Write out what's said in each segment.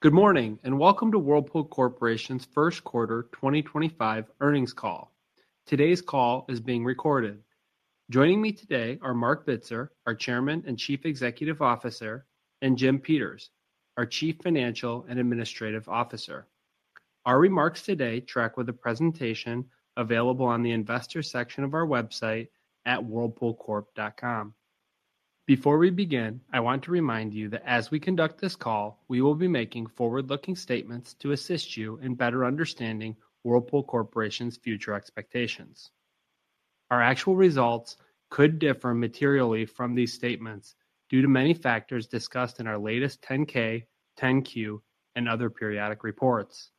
Good morning and welcome to Whirlpool Corporation's first quarter 2025 earnings call. Today's call is being recorded. Joining me today are Marc Bitzer, our Chairman and Chief Executive Officer, and Jim Peters, our Chief Financial and Administrative Officer. Our remarks today track with a presentation available on the investor section of our website at whirlpoolcorp.com. Before we begin, I want to remind you that as we conduct this call, we will be making forward-looking statements to assist you in better understanding Whirlpool Corporation's future expectations. Our actual results could differ materially from these statements due to many factors discussed in our latest 10-K, 10-Q, and other periodic reports.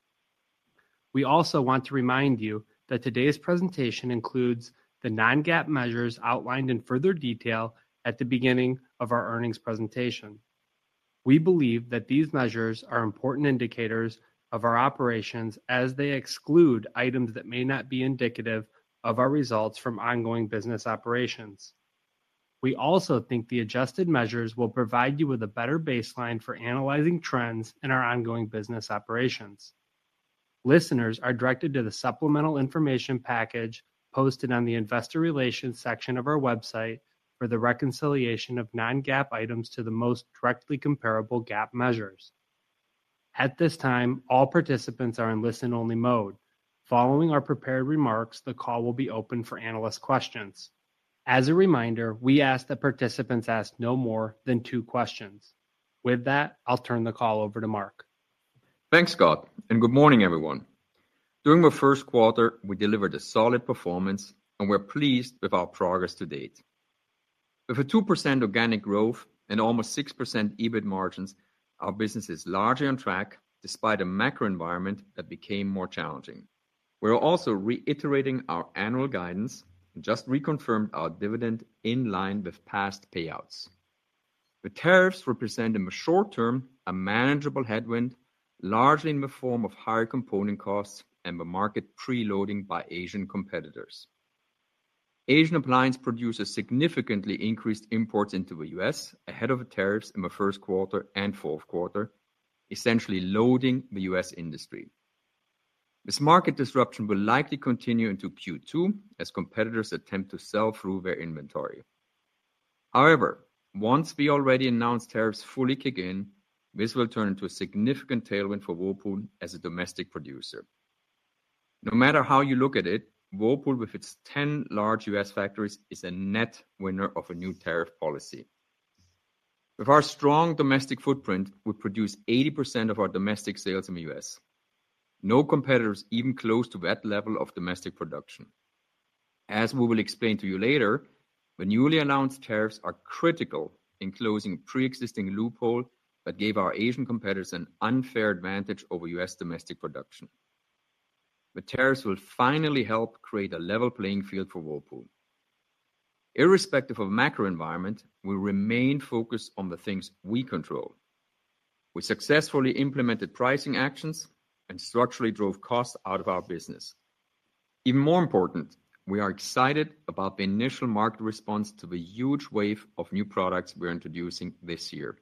We also want to remind you that today's presentation includes the non-GAAP measures outlined in further detail at the beginning of our earnings presentation. We believe that these measures are important indicators of our operations as they exclude items that may not be indicative of our results from ongoing business operations. We also think the adjusted measures will provide you with a better baseline for analyzing trends in our ongoing business operations. Listeners are directed to the supplemental information package posted on the investor relations section of our website for the reconciliation of non-GAAP items to the most directly comparable GAAP measures. At this time, all participants are in listen-only mode. Following our prepared remarks, the call will be open for analyst questions. As a reminder, we ask that participants ask no more than two questions. With that, I'll turn the call over to Marc. Thanks, Scott, and good morning, everyone. During the first quarter, we delivered a solid performance, and we're pleased with our progress to date. With a 2% organic growth and almost 6% EBIT margins, our business is largely on track despite a macro environment that became more challenging. We're also reiterating our annual guidance and just reconfirmed our dividend in line with past payouts. The tariffs represent, in the short term, a manageable headwind, largely in the form of higher component costs and the market preloading by Asian competitors. Asian appliance producers significantly increased imports into the U.S. ahead of the tariffs in the first quarter and fourth quarter, essentially loading the U.S. industry. This market disruption will likely continue into Q2 as competitors attempt to sell through their inventory. However, once we already announced tariffs fully kick in, this will turn into a significant tailwind for Whirlpool as a domestic producer. No matter how you look at it, Whirlpool, with its 10 large U.S. factories, is a net winner of a new tariff policy. With our strong domestic footprint, we produce 80% of our domestic sales in the U.S. No competitors even close to that level of domestic production. As we will explain to you later, the newly announced tariffs are critical in closing a pre-existing loophole that gave our Asian competitors an unfair advantage over U.S. domestic production. The tariffs will finally help create a level playing field for Whirlpool. Irrespective of the macro environment, we remain focused on the things we control. We successfully implemented pricing actions and structurally drove costs out of our business. Even more important, we are excited about the initial market response to the huge wave of new products we're introducing this year,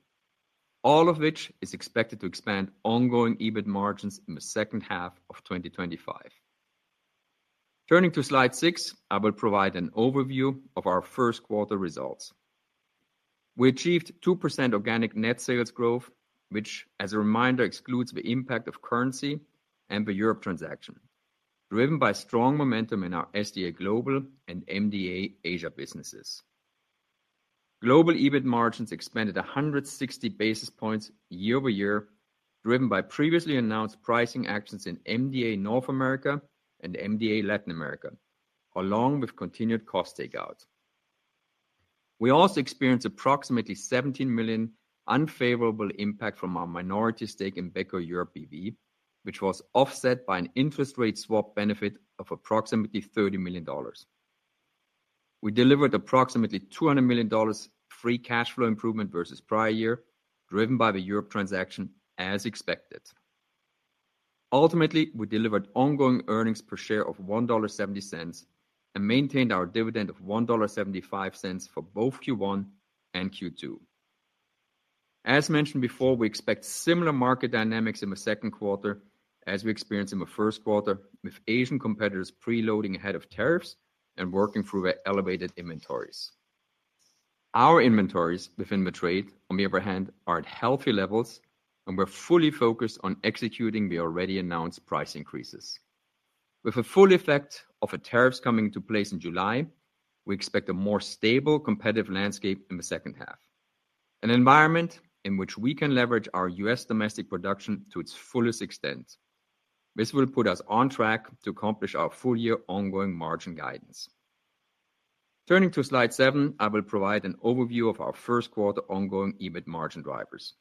all of which is expected to expand ongoing EBIT margins in the second half of 2025. Turning to slide six, I will provide an overview of our first quarter results. We achieved 2% organic net sales growth, which, as a reminder, excludes the impact of currency and the Europe transaction, driven by strong momentum in our SDA Global and MDA Asia businesses. Global EBIT margins expanded 160 basis points year-over-year, driven by previously announced pricing actions in MDA North America and MDA Latin America, along with continued cost takeout. We also experienced approximately $17 million unfavorable impact from our minority stake in Beko Europe BV, which was offset by an interest rate swap benefit of approximately $30 million. We delivered approximately $200 million free cash flow improvement versus prior year, driven by the Europe transaction as expected. Ultimately, we delivered ongoing earnings per share of $1.70 and maintained our dividend of $1.75 for both Q1 and Q2. As mentioned before, we expect similar market dynamics in the second quarter as we experienced in the first quarter, with Asian competitors preloading ahead of tariffs and working through their elevated inventories. Our inventories within the trade, on the other hand, are at healthy levels, and we're fully focused on executing the already announced price increases. With the full effect of the tariffs coming into place in July, we expect a more stable competitive landscape in the second half, an environment in which we can leverage our U.S. domestic production to its fullest extent. This will put us on track to accomplish our full year ongoing margin guidance. Turning to slide seven, I will provide an overview of our first quarter ongoing EBIT margin drivers.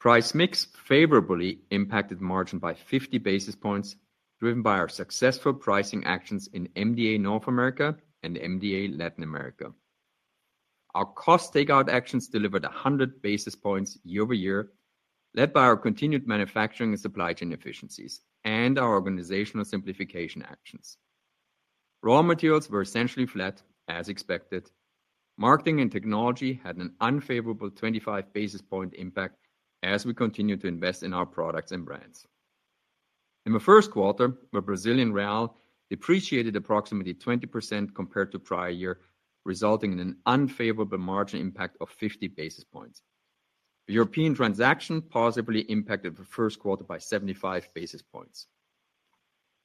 Price mix favorably impacted margin by 50 basis points, driven by our successful pricing actions in MDA North America and MDA Latin America. Our cost takeout actions delivered 100 basis points year-over-year, led by our continued manufacturing and supply chain efficiencies and our organizational simplification actions. Raw materials were essentially flat as expected. Marketing and technology had an unfavorable 25 basis point impact as we continue to invest in our products and brands. In the first quarter, the Brazilian real depreciated approximately 20% compared to prior year, resulting in an unfavorable margin impact of 50 basis points. The European transaction positively impacted the first quarter by 75 basis points.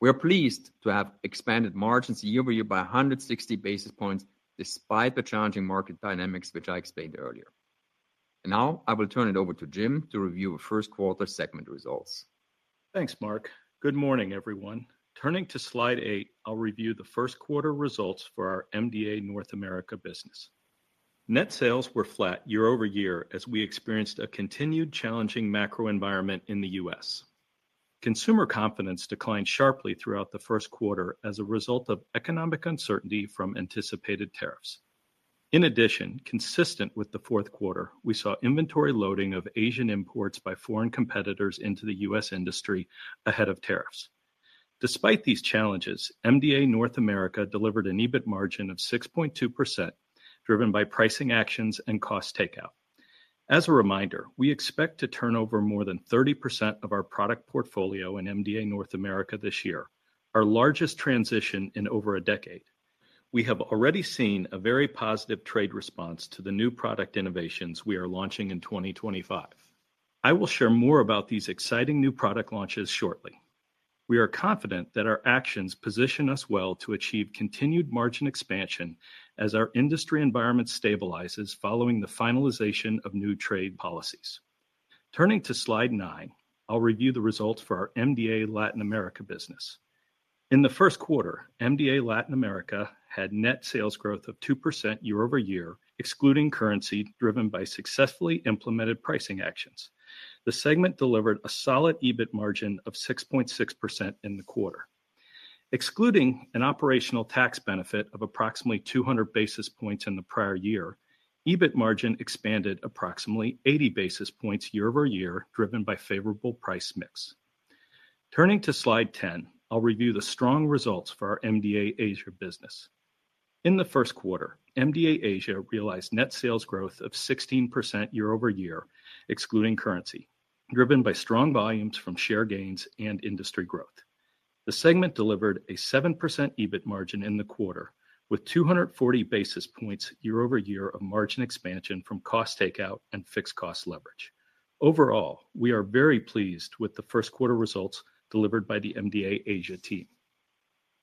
We are pleased to have expanded margins year-over-year by 160 basis points despite the challenging market dynamics, which I explained earlier. I will now turn it over to Jim to review the first quarter segment results. Thanks, Marc. Good morning, everyone. Turning to slide eight, I'll review the first quarter results for our MDA North America business. Net sales were flat year-over-year as we experienced a continued challenging macro environment in the U.S. Consumer confidence declined sharply throughout the first quarter as a result of economic uncertainty from anticipated tariffs. In addition, consistent with the fourth quarter, we saw inventory loading of Asian imports by foreign competitors into the U.S. industry ahead of tariffs. Despite these challenges, MDA North America delivered an EBIT margin of 6.2%, driven by pricing actions and cost takeout. As a reminder, we expect to turn over more than 30% of our product portfolio in MDA North America this year, our largest transition in over a decade. We have already seen a very positive trade response to the new product innovations we are launching in 2025. I will share more about these exciting new product launches shortly. We are confident that our actions position us well to achieve continued margin expansion as our industry environment stabilizes following the finalization of new trade policies. Turning to slide nine, I will review the results for our MDA Latin America business. In the first quarter, MDA Latin America had net sales growth of 2% year-over-year, excluding currency, driven by successfully implemented pricing actions. The segment delivered a solid EBIT margin of 6.6% in the quarter. Excluding an operational tax benefit of approximately 200 basis points in the prior year, EBIT margin expanded approximately 80 basis points year-over-year, driven by favorable price mix. Turning to slide 10, I will review the strong results for our MDA Asia business. In the first quarter, MDA Asia realized net sales growth of 16% year-over-year, excluding currency, driven by strong volumes from share gains and industry growth. The segment delivered a 7% EBIT margin in the quarter with 240 basis points year-over-year of margin expansion from cost takeout and fixed cost leverage. Overall, we are very pleased with the first quarter results delivered by the MDA Asia team.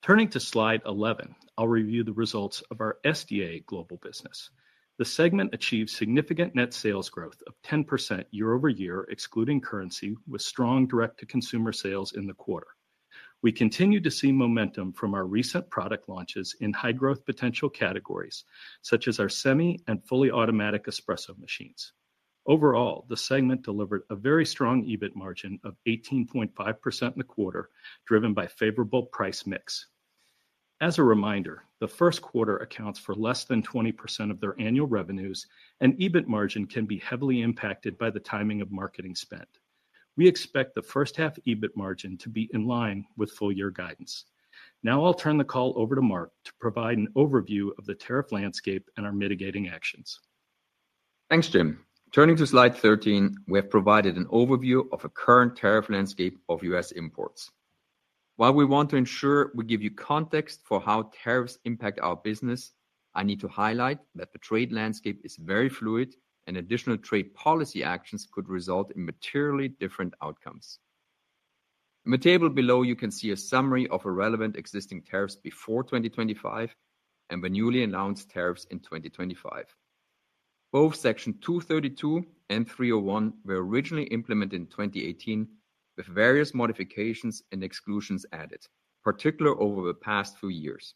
Turning to slide 11, I'll review the results of our SDA global business. The segment achieved significant net sales growth of 10% year-over-year, excluding currency, with strong direct-to-consumer sales in the quarter. We continue to see momentum from our recent product launches in high-growth potential categories, such as our semi and fully automatic espresso machines. Overall, the segment delivered a very strong EBIT margin of 18.5% in the quarter, driven by favorable price mix. As a reminder, the first quarter accounts for less than 20% of their annual revenues, and EBIT margin can be heavily impacted by the timing of marketing spent. We expect the first half EBIT margin to be in line with full year guidance. Now I'll turn the call over to Marc to provide an overview of the tariff landscape and our mitigating actions. Thanks, Jim. Turning to slide 13, we have provided an overview of the current tariff landscape of U.S. imports. While we want to ensure we give you context for how tariffs impact our business, I need to highlight that the trade landscape is very fluid, and additional trade policy actions could result in materially different outcomes. In the table below, you can see a summary of relevant existing tariffs before 2025 and the newly announced tariffs in 2025. Both Section 232 and 301 were originally implemented in 2018, with various modifications and exclusions added, particularly over the past few years.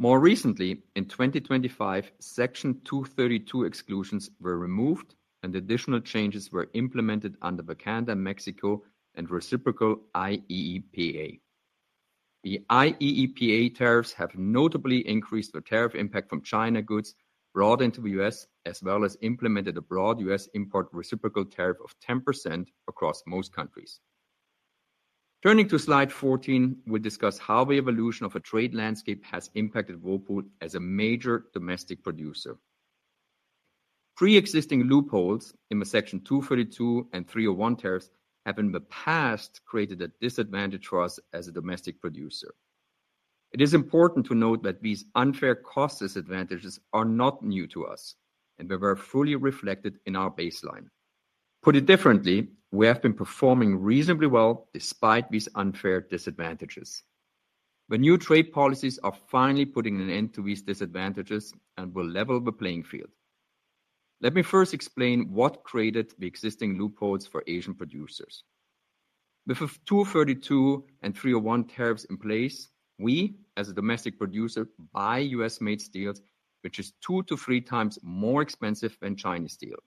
More recently, in 2025, Section 232 exclusions were removed, and additional changes were implemented under the Canada-Mexico and reciprocal IEEPA. The IEEPA tariffs have notably increased the tariff impact from China goods brought into the U.S., as well as implemented a broad U.S. import reciprocal tariff of 10% across most countries. Turning to slide 14, we'll discuss how the evolution of a trade landscape has impacted Whirlpool as a major domestic producer. Pre-existing loopholes in the Section 232 and 301 tariffs have in the past created a disadvantage for us as a domestic producer. It is important to note that these unfair cost disadvantages are not new to us, and they were fully reflected in our baseline. Put it differently, we have been performing reasonably well despite these unfair disadvantages. The new trade policies are finally putting an end to these disadvantages and will level the playing field. Let me first explain what created the existing loopholes for Asian producers. With the 232 and 301 tariffs in place, we, as a domestic producer, buy U.S.-made steel, which is 2x-3x more expensive than Chinese steel.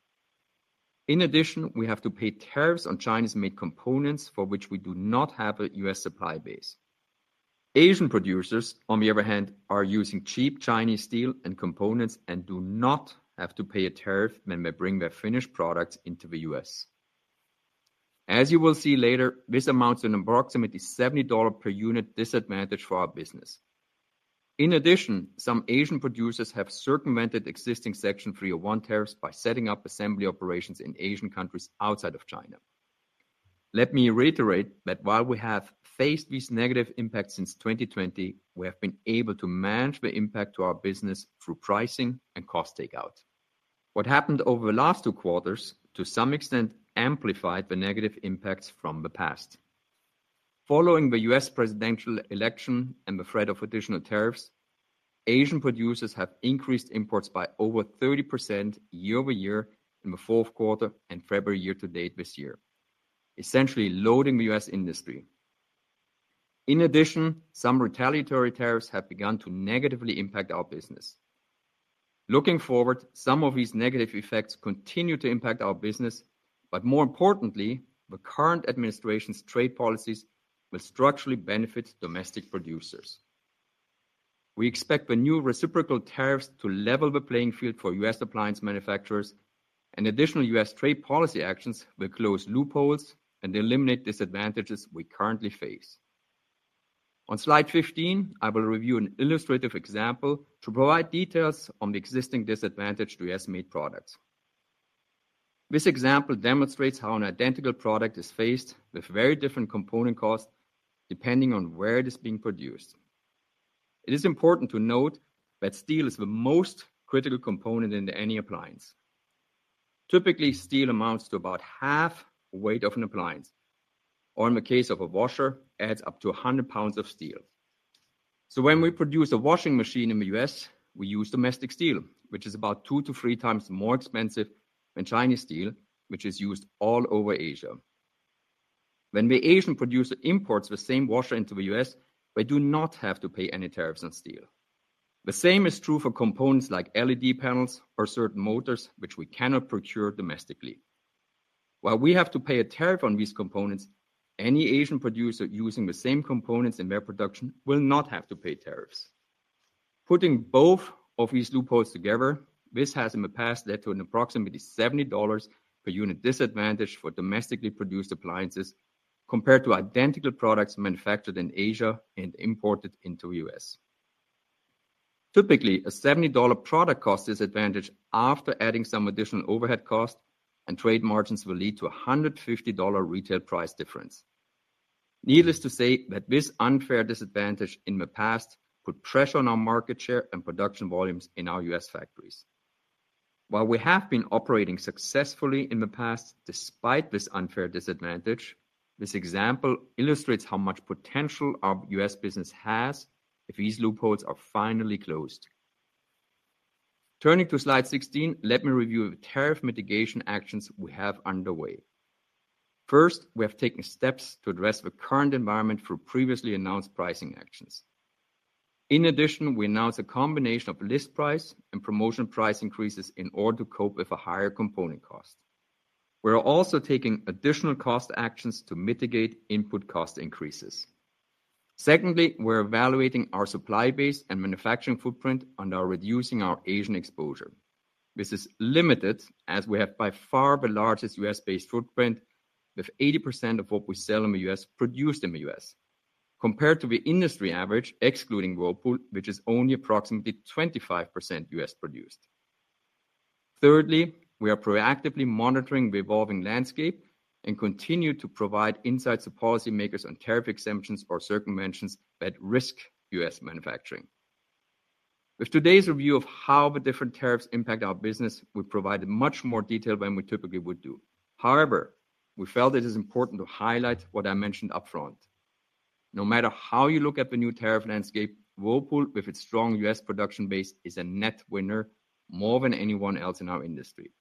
In addition, we have to pay tariffs on Chinese-made components for which we do not have a U.S. supply base. Asian producers, on the other hand, are using cheap Chinese steel and components and do not have to pay a tariff when they bring their finished products into the U.S. As you will see later, this amounts to an approximately $70 per unit disadvantage for our business. In addition, some Asian producers have circumvented existing Section 301 tariffs by setting up assembly operations in Asian countries outside of China. Let me reiterate that while we have faced these negative impacts since 2020, we have been able to manage the impact to our business through pricing and cost takeout. What happened over the last two quarters to some extent amplified the negative impacts from the past. Following the U.S. presidential election and the threat of additional tariffs, Asian producers have increased imports by over 30% year-over-year in the fourth quarter and February year to date this year, essentially loading the U.S. industry. In addition, some retaliatory tariffs have begun to negatively impact our business. Looking forward, some of these negative effects continue to impact our business, but more importantly, the current administration's trade policies will structurally benefit domestic producers. We expect the new reciprocal tariffs to level the playing field for U.S. appliance manufacturers, and additional U.S. trade policy actions will close loopholes and eliminate disadvantages we currently face. On slide 15, I will review an illustrative example to provide details on the existing disadvantage to U.S.-made products. This example demonstrates how an identical product is faced with very different component costs depending on where it is being produced. It is important to note that steel is the most critical component in any appliance. Typically, steel amounts to about half the weight of an appliance, or in the case of a washer, adds up to 100 lbs of steel. When we produce a washing machine in the U.S., we use domestic steel, which is about 2x-3x more expensive than Chinese steel, which is used all over Asia. When the Asian producer imports the same washer into the U.S., they do not have to pay any tariffs on steel. The same is true for components like LED panels or certain motors, which we cannot procure domestically. While we have to pay a tariff on these components, any Asian producer using the same components in their production will not have to pay tariffs. Putting both of these loopholes together, this has in the past led to an approximately $70 per unit disadvantage for domestically produced appliances compared to identical products manufactured in Asia and imported into the U.S. Typically, a $70 product cost disadvantage after adding some additional overhead cost and trade margins will lead to a $150 retail price difference. Needless to say that this unfair disadvantage in the past put pressure on our market share and production volumes in our U.S. factories. While we have been operating successfully in the past despite this unfair disadvantage, this example illustrates how much potential our U.S. business has if these loopholes are finally closed. Turning to slide 16, let me review the tariff mitigation actions we have underway. First, we have taken steps to address the current environment for previously announced pricing actions. In addition, we announced a combination of list price and promotion price increases in order to cope with a higher component cost. We are also taking additional cost actions to mitigate input cost increases. Secondly, we're evaluating our supply base and manufacturing footprint under reducing our Asian exposure. This is limited as we have by far the largest U.S.-based footprint with 80% of what we sell in the U.S. produced in the U.S. compared to the industry average, excluding Whirlpool, which is only approximately 25% U.S. produced. Thirdly, we are proactively monitoring the evolving landscape and continue to provide insights to policymakers on tariff exemptions or circumventions that risk U.S. manufacturing. With today's review of how the different tariffs impact our business, we provided much more detail than we typically would do. However, we felt it is important to highlight what I mentioned upfront. No matter how you look at the new tariff landscape, Whirlpool with its strong U.S. production base is a net winner more than anyone else in our industry.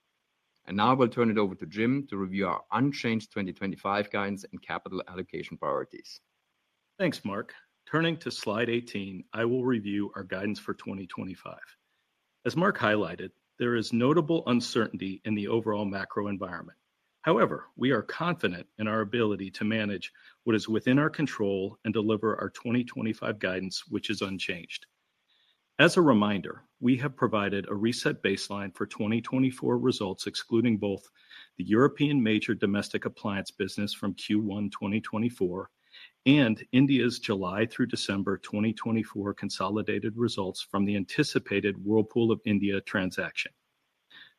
I will turn it over to Jim to review our unchanged 2025 guidance and capital allocation priorities. Thanks, Marc. Turning to slide 18, I will review our guidance for 2025. As Marc highlighted, there is notable uncertainty in the overall macro environment. However, we are confident in our ability to manage what is within our control and deliver our 2025 guidance, which is unchanged. As a reminder, we have provided a reset baseline for 2024 results, excluding both the European major domestic appliance business from Q1 2024 and India's July through December 2024 consolidated results from the anticipated Whirlpool of India transaction.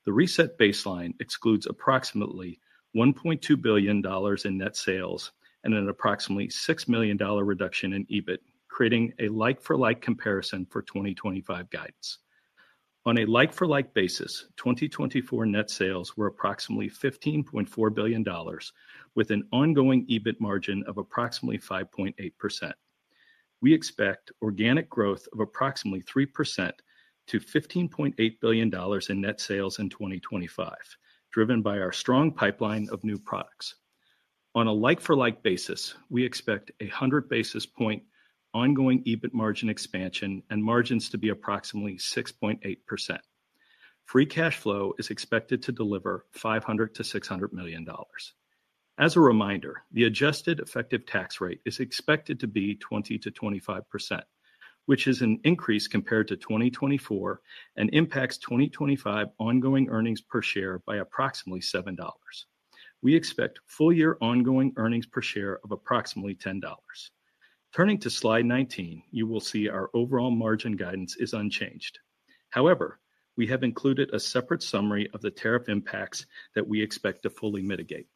The reset baseline excludes approximately $1.2 billion in net sales and an approximately $6 million reduction in EBIT, creating a like-for-like comparison for 2025 guidance. On a like-for-like basis, 2024 net sales were approximately $15.4 billion, with an ongoing EBIT margin of approximately 5.8%. We expect organic growth of approximately 3% to $15.8 billion in net sales in 2025, driven by our strong pipeline of new products. On a like-for-like basis, we expect a 100 basis point ongoing EBIT margin expansion and margins to be approximately 6.8%. Free cash flow is expected to deliver $500 million-$600 million. As a reminder, the adjusted effective tax rate is expected to be 20%-25%, which is an increase compared to 2024 and impacts 2025 ongoing earnings per share by approximately $7. We expect full year ongoing earnings per share of approximately $10. Turning to slide 19, you will see our overall margin guidance is unchanged. However, we have included a separate summary of the tariff impacts that we expect to fully mitigate.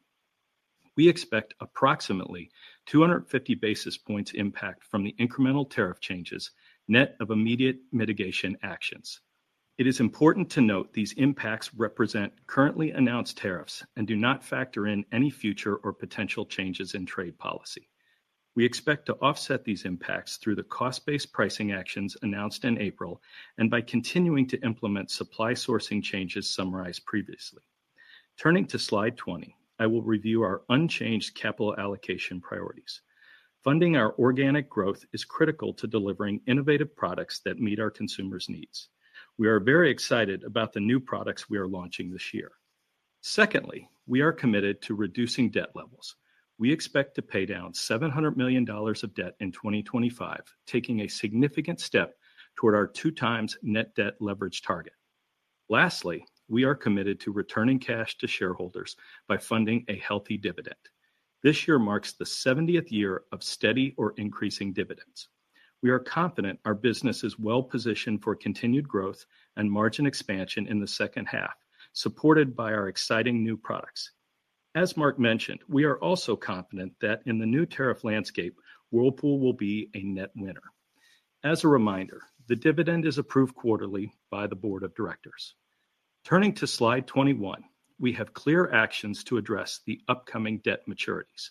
We expect approximately 250 basis points impact from the incremental tariff changes net of immediate mitigation actions. It is important to note these impacts represent currently announced tariffs and do not factor in any future or potential changes in trade policy. We expect to offset these impacts through the cost-based pricing actions announced in April and by continuing to implement supply sourcing changes summarized previously. Turning to slide 20, I will review our unchanged capital allocation priorities. Funding our organic growth is critical to delivering innovative products that meet our consumers' needs. We are very excited about the new products we are launching this year. Secondly, we are committed to reducing debt levels. We expect to pay down $700 million of debt in 2025, taking a significant step toward our 2x net debt leverage target. Lastly, we are committed to returning cash to shareholders by funding a healthy dividend. This year marks the 70th year of steady or increasing dividends. We are confident our business is well positioned for continued growth and margin expansion in the second half, supported by our exciting new products. As Marc mentioned, we are also confident that in the new tariff landscape, Whirlpool will be a net winner. As a reminder, the dividend is approved quarterly by the board of directors. Turning to slide 21, we have clear actions to address the upcoming debt maturities.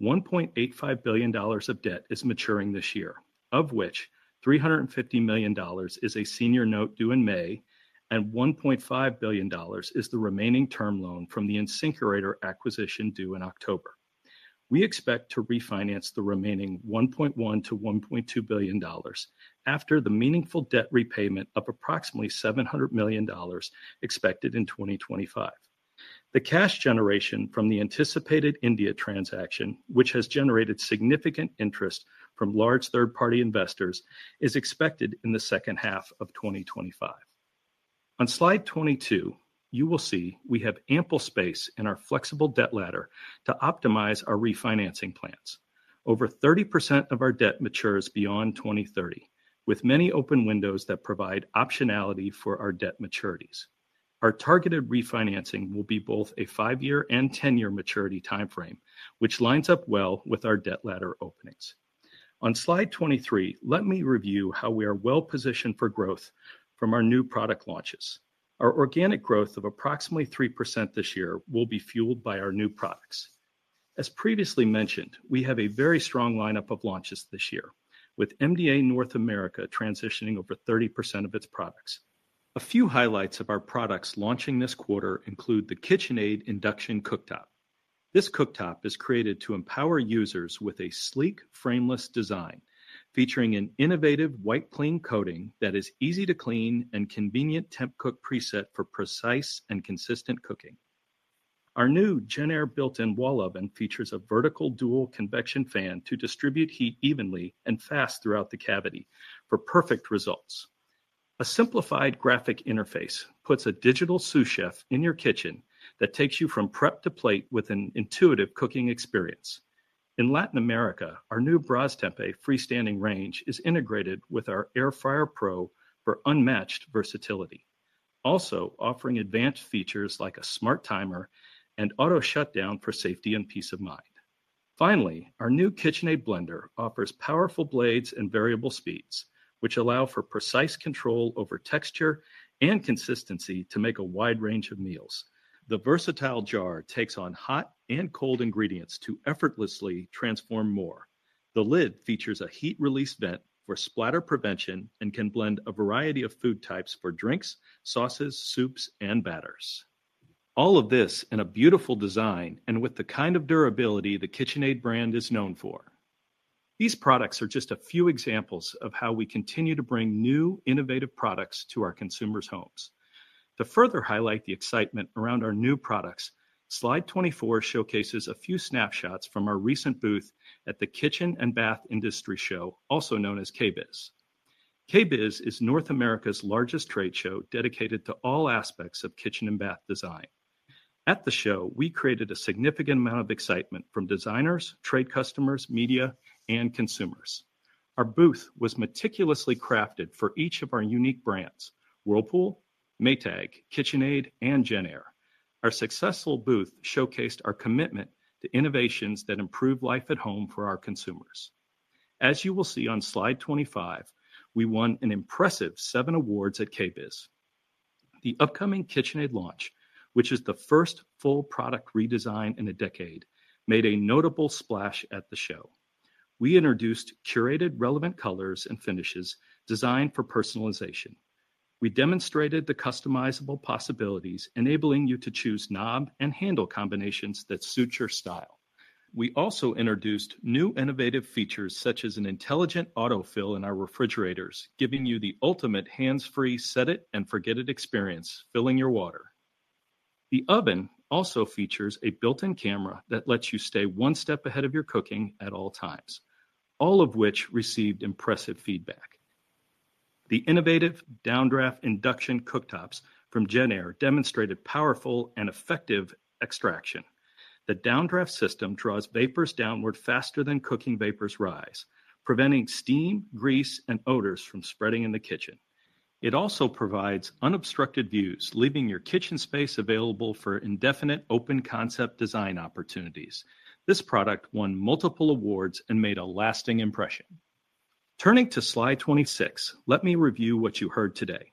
$1.85 billion of debt is maturing this year, of which $350 million is a senior note due in May and $1.5 billion is the remaining term loan from the incinerator acquisition due in October. We expect to refinance the remaining $1.1-$1.2 billion after the meaningful debt repayment of approximately $700 million expected in 2025. The cash generation from the anticipated India transaction, which has generated significant interest from large third-party investors, is expected in the second half of 2025. On slide 22, you will see we have ample space in our flexible debt ladder to optimize our refinancing plans. Over 30% of our debt matures beyond 2030, with many open windows that provide optionality for our debt maturities. Our targeted refinancing will be both a five-year and 10-year maturity timeframe, which lines up well with our debt ladder openings. On slide 23, let me review how we are well positioned for growth from our new product launches. Our organic growth of approximately 3% this year will be fueled by our new products. As previously mentioned, we have a very strong lineup of launches this year, with MDA North America transitioning over 30% of its products. A few highlights of our products launching this quarter include the KitchenAid Induction Cooktop. This cooktop is created to empower users with a sleek, frameless design, featuring an innovative white cling coating that is easy to clean and convenient temp cook preset for precise and consistent cooking. Our new JennAir built-in wall oven features a vertical dual convection fan to distribute heat evenly and fast throughout the cavity for perfect results. A simplified graphic interface puts a digital sous-chef in your kitchen that takes you from prep to plate with an intuitive cooking experience. In Latin America, our new Brastemp freestanding range is integrated with our Airfryer Pro for unmatched versatility, also offering advanced features like a smart timer and auto shutdown for safety and peace of mind. Finally, our new KitchenAid blender offers powerful blades and variable speeds, which allow for precise control over texture and consistency to make a wide range of meals. The versatile jar takes on hot and cold ingredients to effortlessly transform more. The lid features a heat release vent for splatter prevention and can blend a variety of food types for drinks, sauces, soups, and batters. All of this in a beautiful design and with the kind of durability the KitchenAid brand is known for. These products are just a few examples of how we continue to bring new innovative products to our consumers' homes. To further highlight the excitement around our new products, slide 24 showcases a few snapshots from our recent booth at the Kitchen and Bath Industry Show, also known as KBIS. KBIS is North America's largest trade show dedicated to all aspects of kitchen and bath design. At the show, we created a significant amount of excitement from designers, trade customers, media, and consumers. Our booth was meticulously crafted for each of our unique brands, Whirlpool, Maytag, KitchenAid, and GenAir. Our successful booth showcased our commitment to innovations that improve life at home for our consumers. As you will see on slide 25, we won an impressive seven awards at KBIS. The upcoming KitchenAid launch, which is the first full product redesign in a decade, made a notable splash at the show. We introduced curated relevant colors and finishes designed for personalization. We demonstrated the customizable possibilities, enabling you to choose knob and handle combinations that suit your style. We also introduced new innovative features such as an intelligent autofill in our refrigerators, giving you the ultimate hands-free set it and forget it experience filling your water. The oven also features a built-in camera that lets you stay one step ahead of your cooking at all times, all of which received impressive feedback. The innovative downdraft induction cooktops from GenAir demonstrated powerful and effective extraction. The downdraft system draws vapors downward faster than cooking vapors rise, preventing steam, grease, and odors from spreading in the kitchen. It also provides unobstructed views, leaving your kitchen space available for indefinite open concept design opportunities. This product won multiple awards and made a lasting impression. Turning to slide 26, let me review what you heard today.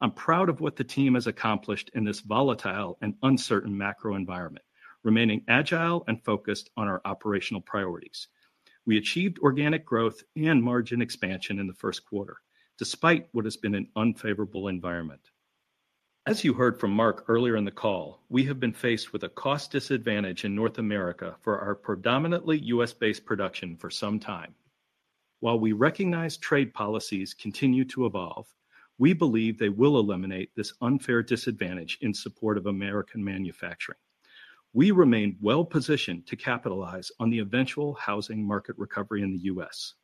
I'm proud of what the team has accomplished in this volatile and uncertain macro environment, remaining agile and focused on our operational priorities. We achieved organic growth and margin expansion in the first quarter, despite what has been an unfavorable environment. As you heard from Marc earlier in the call, we have been faced with a cost disadvantage in North America for our predominantly U.S.-based production for some time. While we recognize trade policies continue to evolve, we believe they will eliminate this unfair disadvantage in support of American manufacturing. We remain well positioned to capitalize on the eventual housing market recovery in the U.S.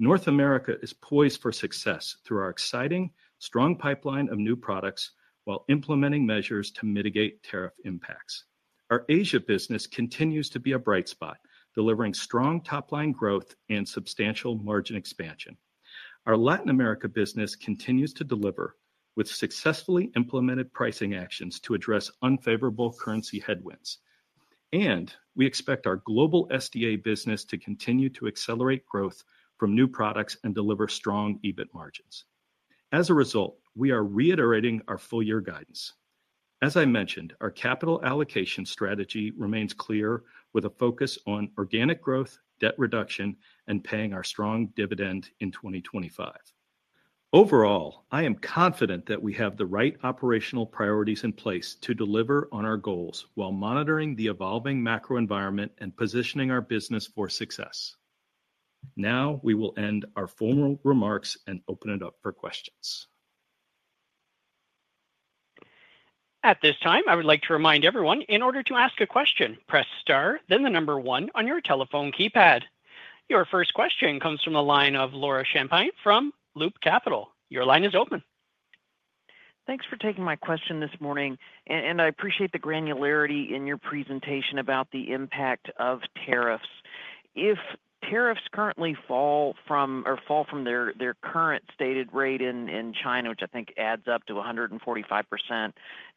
North America is poised for success through our exciting, strong pipeline of new products while implementing measures to mitigate tariff impacts. Our Asia business continues to be a bright spot, delivering strong top-line growth and substantial margin expansion. Our Latin America business continues to deliver with successfully implemented pricing actions to address unfavorable currency headwinds. We expect our global SDA business to continue to accelerate growth from new products and deliver strong EBIT margins. As a result, we are reiterating our full year guidance. As I mentioned, our capital allocation strategy remains clear with a focus on organic growth, debt reduction, and paying our strong dividend in 2025. Overall, I am confident that we have the right operational priorities in place to deliver on our goals while monitoring the evolving macro environment and positioning our business for success. Now we will end our formal remarks and open it up for questions. At this time, I would like to remind everyone, in order to ask a question, press star, then the number one on your telephone keypad. Your first question comes from the line of Laura Champine from Loop Capital. Your line is open. Thanks for taking my question this morning. I appreciate the granularity in your presentation about the impact of tariffs. If tariffs currently fall from their current stated rate in China, which I think adds up to 145%,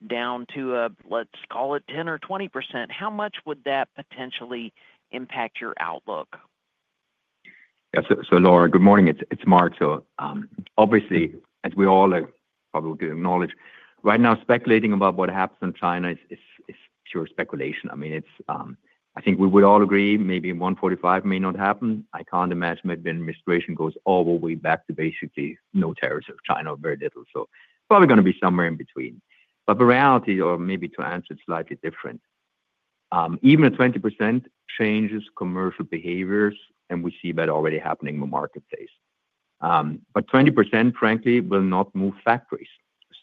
down to, let's call it, 10% or 20%, how much would that potentially impact your outlook? Yes. Laura, good morning. It's Marc. Obviously, as we all probably will acknowledge, right now, speculating about what happens in China is pure speculation. I mean, I think we would all agree maybe 145% may not happen. I can't imagine the administration goes all the way back to basically no tariffs of China or very little. It's probably going to be somewhere in between. The reality, or maybe to answer it slightly different, even a 20% changes commercial behaviors, and we see that already happening in the marketplace. 20%, frankly, will not move factories.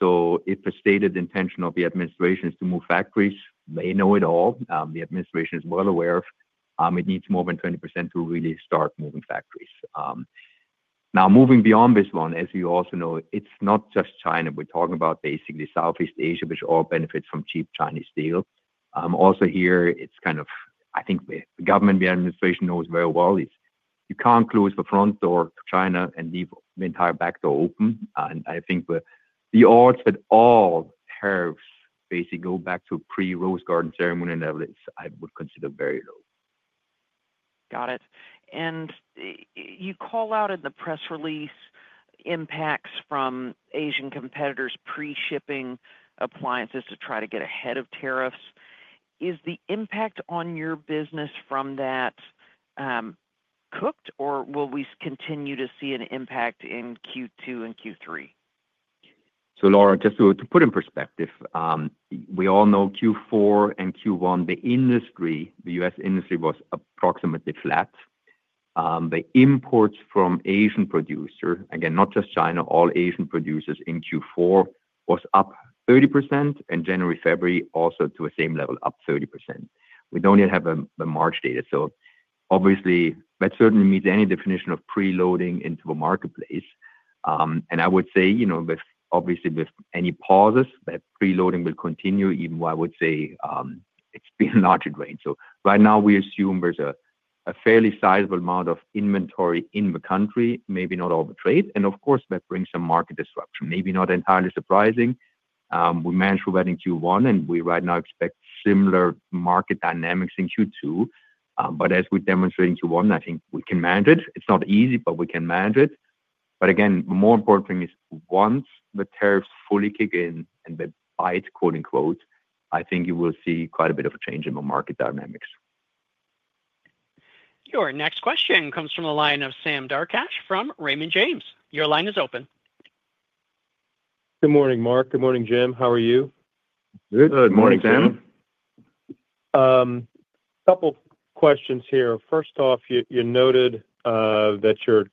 If the stated intention of the administration is to move factories, they know it all. The administration is well aware it needs more than 20% to really start moving factories. Moving beyond this one, as you also know, it's not just China. We're talking about basically Southeast Asia, which all benefits from cheap Chinese steel. Also, here, it's kind of, I think the government, the administration knows very well, you can't close the front door to China and leave the entire back door open. I think the odds that all tariffs basically go back to pre-Rose Garden ceremony levels, I would consider very low. Got it. You call out in the press release impacts from Asian competitors pre-shipping appliances to try to get ahead of tariffs. Is the impact on your business from that cooked, or will we continue to see an impact in Q2 and Q3? Laura, just to put in perspective, we all know Q4 and Q1, the industry, the U.S. industry was approximately flat. The imports from Asian producers, again, not just China, all Asian producers in Q4 was up 30%, and January, February also to the same level, up 30%. We do not yet have the March data. Obviously, that certainly meets any definition of preloading into the marketplace. I would say, obviously, with any pauses, that preloading will continue, even though I would say it has been a larger range. Right now, we assume there is a fairly sizable amount of inventory in the country, maybe not over trade. Of course, that brings some market disruption, maybe not entirely surprising. We managed to read in Q1, and we right now expect similar market dynamics in Q2. As we demonstrate in Q1, I think we can manage it. It's not easy, but we can manage it. Again, the more important thing is, once the tariffs fully kick in and they bite, quote unquote, I think you will see quite a bit of a change in the market dynamics. Your next question comes from the line of Sam Darkatsh from Raymond James. Your line is open. Good morning, Marc. Good morning, Jim. How are you? Good morning, Sam. Couple of questions here. First off, you noted that you're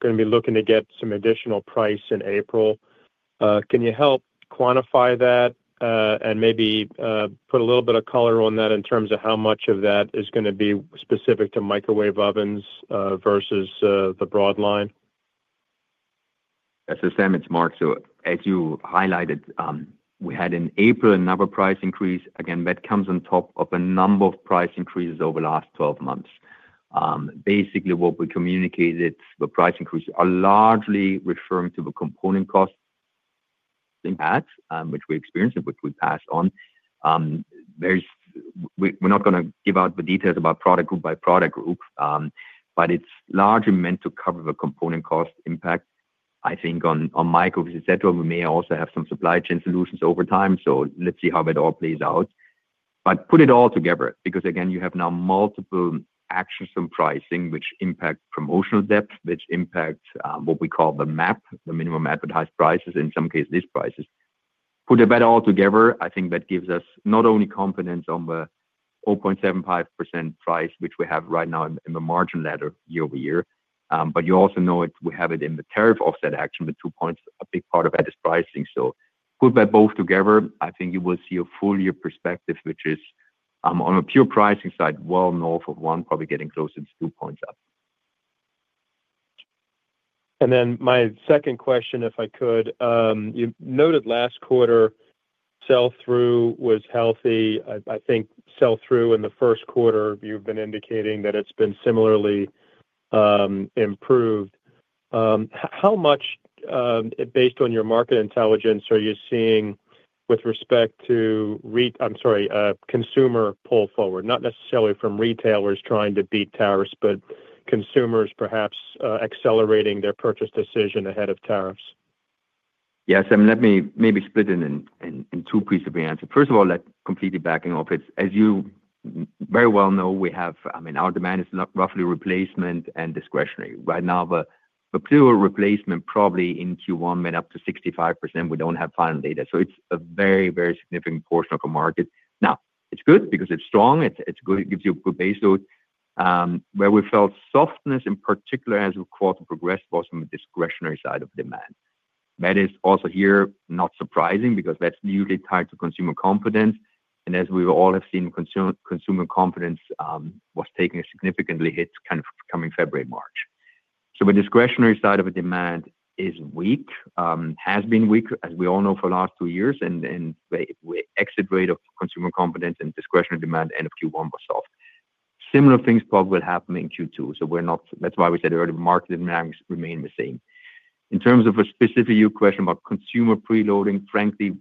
going to be looking to get some additional price in April. Can you help quantify that and maybe put a little bit of color on that in terms of how much of that is going to be specific to microwave ovens versus the broad line? Yes. So, Sam, it's Marc. As you highlighted, we had in April another price increase. Again, that comes on top of a number of price increases over the last 12 months. Basically, what we communicated, the price increases are largely referring to the component cost impact, which we experienced, which we passed on. We're not going to give out the details about product group by product group, but it's largely meant to cover the component cost impact. I think on micro, et cetera, we may also have some supply chain solutions over time. Let's see how it all plays out. Put it all together, because again, you have now multiple actions from pricing, which impact promotional depth, which impact what we call the MAP, the minimum advertised prices, in some cases, list prices. Put that all together, I think that gives us not only confidence on the 0.75% price, which we have right now in the margin ladder year-over-year, but you also know we have it in the tariff offset action, the two points. A big part of that is pricing. Put that both together, I think you will see a full year perspective, which is on a pure pricing side, well north of one, probably getting closer to two points up. My second question, if I could. You noted last quarter sell-through was healthy. I think sell-through in the first quarter, you've been indicating that it's been similarly improved. How much, based on your market intelligence, are you seeing with respect to, I'm sorry, consumer pull forward, not necessarily from retailers trying to beat tariffs, but consumers perhaps accelerating their purchase decision ahead of tariffs? Yes. Let me maybe split it in two pieces of answer. First of all, that completely backing off. As you very well know, we have, I mean, our demand is roughly replacement and discretionary. Right now, the pure replacement probably in Q1 went up to 65%. We do not have final data. It is a very, very significant portion of the market. Now, it is good because it is strong. It gives you a good base load. Where we felt softness in particular as the quarter progressed was from the discretionary side of demand. That is also here, not surprising, because that is usually tied to consumer confidence. As we all have seen, consumer confidence was taking a significant hit kind of coming February/March. The discretionary side of demand is weak, has been weak, as we all know for the last two years. The exit rate of consumer confidence and discretionary demand at the end of Q1 was soft. Similar things probably will happen in Q2. That is why we said earlier, market demand remained the same. In terms of a specific question about consumer preloading, frankly,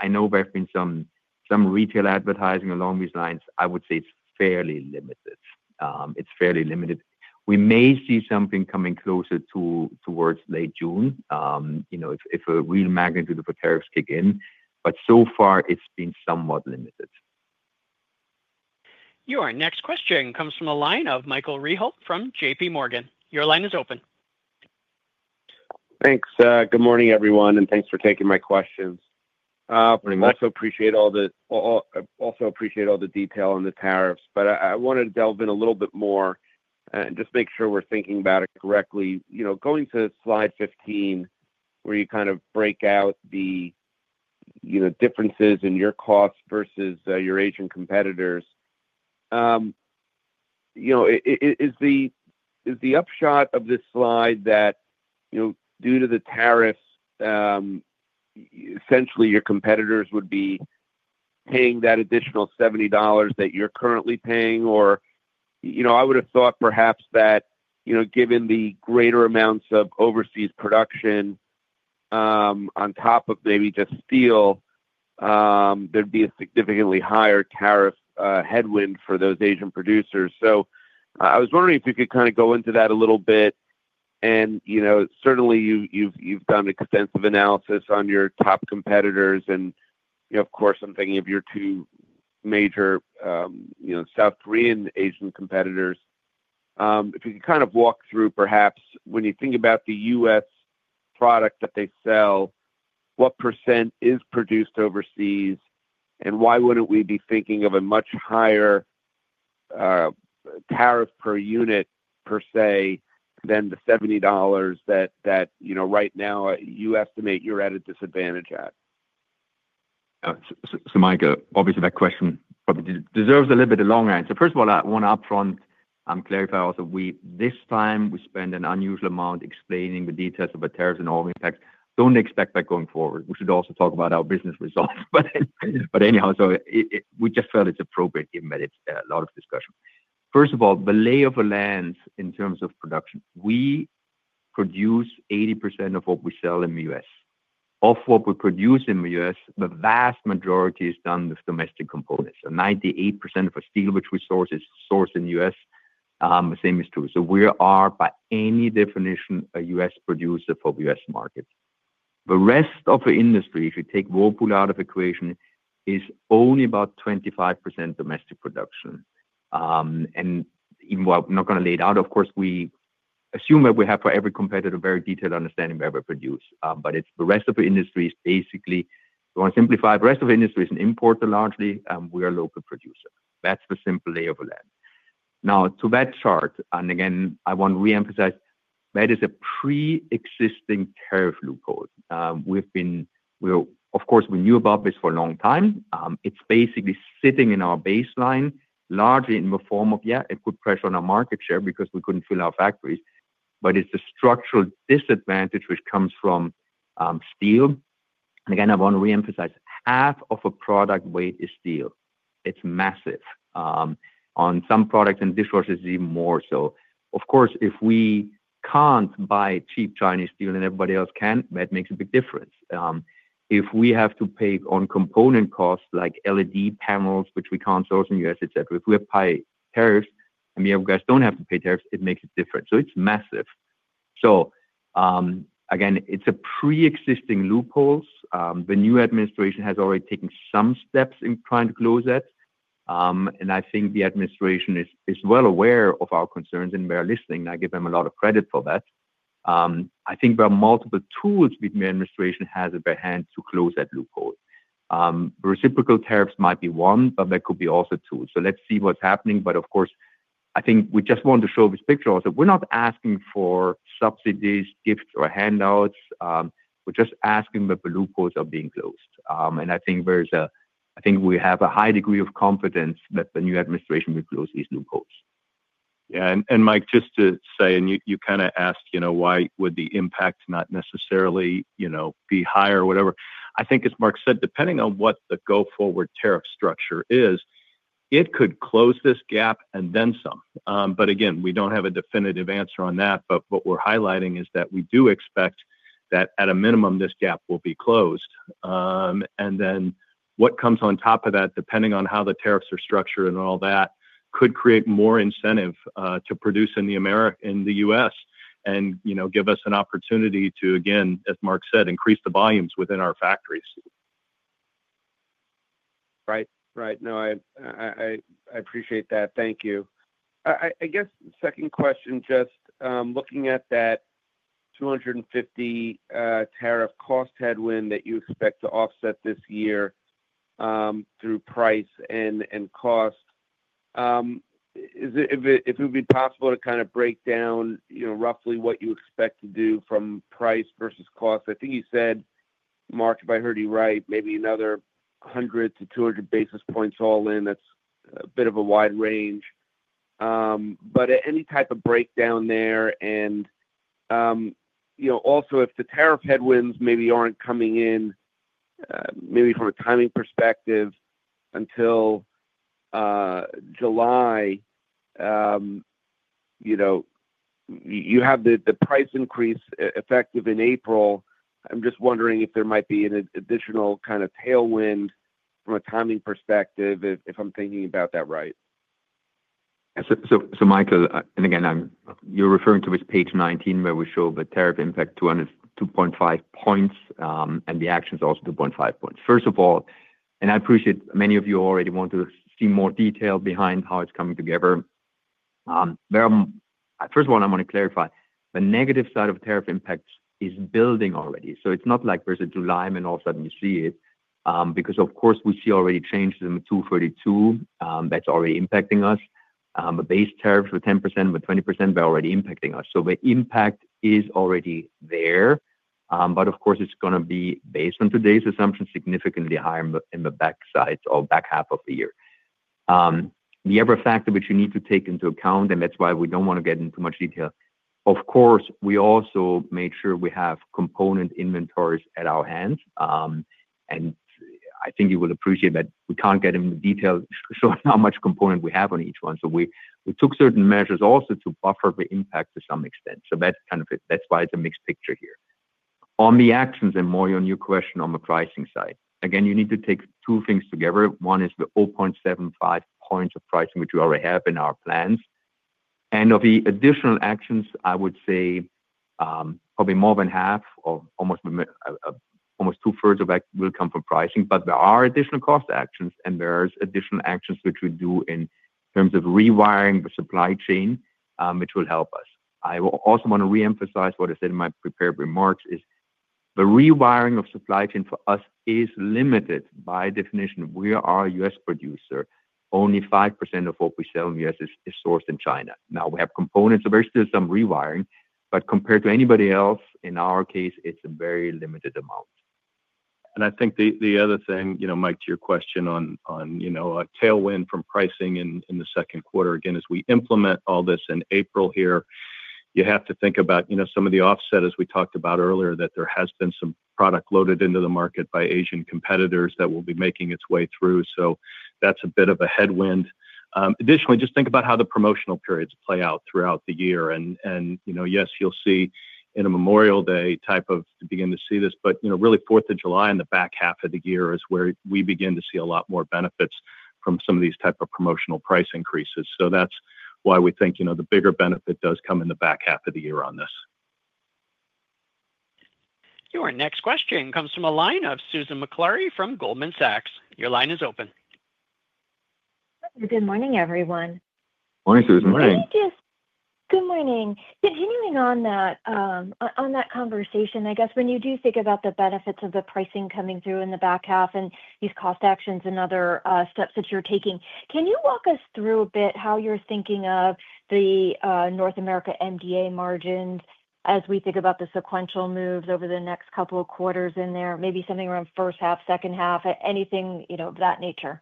I know there have been some retail advertising along these lines. I would say it is fairly limited. It is fairly limited. We may see something coming closer towards late June, if a real magnitude of the tariffs kick in. So far, it has been somewhat limited. Your next question comes from the line of Michael Rehaut from JPMorgan. Your line is open. Thanks. Good morning, everyone. Thanks for taking my questions. I also appreciate all the detail on the tariffs. I wanted to delve in a little bit more and just make sure we're thinking about it correctly. Going to slide 15, where you kind of break out the differences in your costs versus your Asian competitors. Is the upshot of this slide that due to the tariffs, essentially, your competitors would be paying that additional $70 that you're currently paying? I would have thought perhaps that given the greater amounts of overseas production on top of maybe just steel, there would be a significantly higher tariff headwind for those Asian producers. I was wondering if you could kind of go into that a little bit. Certainly, you've done extensive analysis on your top competitors. Of course, I'm thinking of your two major South Korean Asian competitors. If you could kind of walk through, perhaps, when you think about the U.S. product that they sell, what percent is produced overseas? Why wouldn't we be thinking of a much higher tariff per unit, per se, than the $70 that right now you estimate you're at a disadvantage at? Mike, obviously, that question probably deserves a little bit of a long answer. First of all, I want to upfront clarify also, this time, we spent an unusual amount explaining the details of the tariffs and all the impacts. Don't expect that going forward. We should also talk about our business results. Anyhow, we just felt it's appropriate given that it's a lot of discussion. First of all, the lay of the land in terms of production. We produce 80% of what we sell in the U.S. Of what we produce in the U.S., the vast majority is done with domestic components. 98% of our steel, which we source, is sourced in the U.S. The same is true. We are, by any definition, a U.S. producer for the U.S. market. The rest of the industry, if you take Whirlpool out of the equation, is only about 25% domestic production. Even while I'm not going to lay it out, of course, we assume that we have for every competitor a very detailed understanding of where we produce. The rest of the industry is basically, if I want to simplify, the rest of the industry is an importer largely. We are a local producer. That's the simple lay of the land. Now, to that chart, and again, I want to reemphasize, that is a pre-existing tariff loophole. Of course, we knew about this for a long time. It's basically sitting in our baseline, largely in the form of, yeah, it put pressure on our market share because we couldn't fill our factories. It's a structural disadvantage, which comes from steel. I want to reemphasize, half of a product weight is steel. It is massive. On some products and dishwashers, even more. Of course, if we cannot buy cheap Chinese steel and everybody else can, that makes a big difference. If we have to pay on component costs like LED panels, which we cannot source in the U.S., et cetera, if we apply tariffs and we have guys who do not have to pay tariffs, it makes a difference. It is massive. It is a pre-existing loophole. The new administration has already taken some steps in trying to close that. I think the administration is well aware of our concerns and we are listening. I give them a lot of credit for that. I think there are multiple tools the administration has at their hand to close that loophole. Reciprocal tariffs might be one, but there could be also two. Let's see what's happening. Of course, I think we just want to show this picture also. We're not asking for subsidies, gifts, or handouts. We're just asking that the loopholes are being closed. I think we have a high degree of confidence that the new administration will close these loopholes. Yeah. Mike, just to say, and you kind of asked, why would the impact not necessarily be higher or whatever. I think, as Marc said, depending on what the go-forward tariff structure is, it could close this gap and then some. Again, we do not have a definitive answer on that. What we are highlighting is that we do expect that at a minimum, this gap will be closed. What comes on top of that, depending on how the tariffs are structured and all that, could create more incentive to produce in the U.S. and give us an opportunity to, again, as Marc said, increase the volumes within our factories. Right. Right. No, I appreciate that. Thank you. I guess second question, just looking at that $250 million tariff cost headwind that you expect to offset this year through price and cost, if it would be possible to kind of break down roughly what you expect to do from price versus cost. I think you said, Marc, if I heard you right, maybe another 100-200 basis points all in. That is a bit of a wide range. Any type of breakdown there? Also, if the tariff headwinds maybe are not coming in, maybe from a timing perspective, until July, you have the price increase effective in April. I am just wondering if there might be an additional kind of tailwind from a timing perspective, if I am thinking about that right. Marc, and again, you're referring to page 19 where we show the tariff impact 2.5 points and the actions also 2.5 points. First of all, and I appreciate many of you already want to see more detail behind how it's coming together. First of all, I want to clarify, the negative side of tariff impacts is building already. It's not like there's a July and then all of a sudden you see it. Because, of course, we see already changes in the 232 that's already impacting us. The base tariffs were 10%, but 20%, they're already impacting us. The impact is already there. Of course, it's going to be, based on today's assumption, significantly higher in the back half of the year. The other factor which you need to take into account, and that's why we don't want to get into much detail, of course, we also made sure we have component inventories at our hands. I think you will appreciate that we can't get into detail showing how much component we have on each one. We took certain measures also to buffer the impact to some extent. That's kind of it. That's why it's a mixed picture here. On the actions, and more your new question on the pricing side. Again, you need to take two things together. One is the 0.75 points of pricing, which we already have in our plans. Of the additional actions, I would say probably more than half, almost two-thirds of that will come from pricing. There are additional cost actions, and there are additional actions which we do in terms of rewiring the supply chain, which will help us. I also want to reemphasize what I said in my prepared remarks is the rewiring of supply chain for us is limited by definition. We are a U.S. producer. Only 5% of what we sell in the U.S. is sourced in China. Now, we have components, so there's still some rewiring. Compared to anybody else, in our case, it's a very limited amount. I think the other thing, Mike, to your question on a tailwind from pricing in the second quarter, again, as we implement all this in April here, you have to think about some of the offset, as we talked about earlier, that there has been some product loaded into the market by Asian competitors that will be making its way through. That is a bit of a headwind. Additionally, just think about how the promotional periods play out throughout the year. Yes, you'll see in a Memorial Day type of begin to see this. Really, 4th of July in the back half of the year is where we begin to see a lot more benefits from some of these type of promotional price increases. That is why we think the bigger benefit does come in the back half of the year on this. Your next question comes from Susan Maklari from Goldman Sachs. Your line is open. Good morning, everyone. Morning, Susan. Morning. Good morning. Continuing on that conversation, I guess when you do think about the benefits of the pricing coming through in the back half and these cost actions and other steps that you're taking, can you walk us through a bit how you're thinking of the North America MDA margins as we think about the sequential moves over the next couple of quarters in there, maybe something around first half, second half, anything of that nature?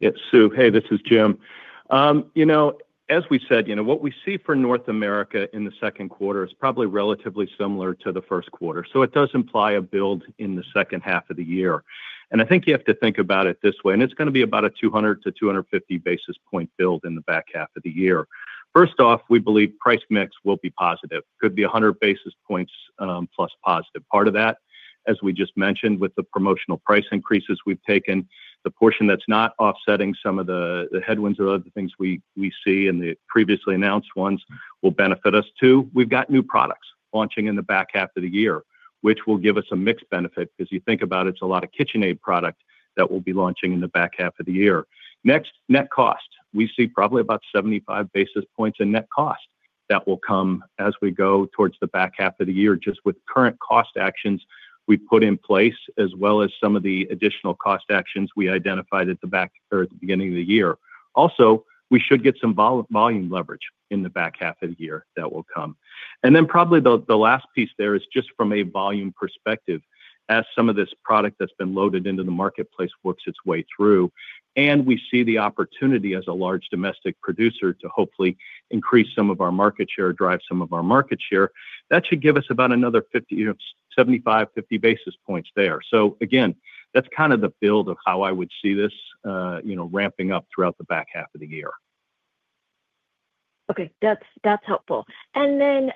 Yes, Sue. Hey, this is Jim. As we said, what we see for North America in the second quarter is probably relatively similar to the first quarter. It does imply a build in the second half of the year. I think you have to think about it this way. It is going to be about a 200-250 basis point build in the back half of the year. First off, we believe price mix will be positive. Could be 100 basis points plus positive. Part of that, as we just mentioned, with the promotional price increases we have taken, the portion that is not offsetting some of the headwinds or other things we see and the previously announced ones will benefit us too. We have got new products launching in the back half of the year, which will give us a mixed benefit. Because you think about it, it's a lot of KitchenAid product that will be launching in the back half of the year. Next, net cost. We see probably about 75 basis points in net cost that will come as we go towards the back half of the year just with current cost actions we've put in place, as well as some of the additional cost actions we identified at the back or at the beginning of the year. Also, we should get some volume leverage in the back half of the year that will come. Probably the last piece there is just from a volume perspective, as some of this product that's been loaded into the marketplace works its way through. We see the opportunity as a large domestic producer to hopefully increase some of our market share or drive some of our market share. That should give us about another 75-50 basis points there. Again, that's kind of the build of how I would see this ramping up throughout the back half of the year. Okay. That's helpful. Turning